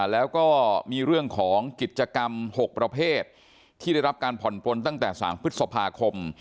แล้วก็มีเรื่องของกิจกรรม๖ประเภทที่ได้รับการผ่อนปลนตั้งแต่๓พฤษภาคม